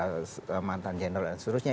pak prabowo ya mantan general dan seterusnya